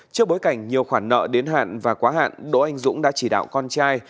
trước bối cảnh nhiều khoản nợ đến hạn và quá hạn đỗ anh dũng đã chỉ đạo con trai